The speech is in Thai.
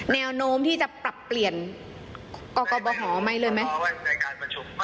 แนวโน้มที่จะปรับเปลี่ยนกกบหไหมเลยไหม